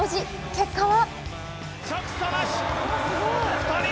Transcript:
結果は？